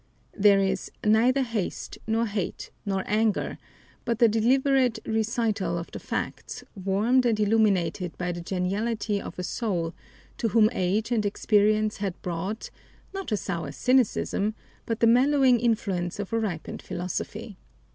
There is "neither haste, nor hate, nor anger," but the deliberate recital of the facts warmed and illumined by the geniality of a soul to whom age and experience had brought, not a sour cynicism, but the mellowing influence of a ripened philosophy.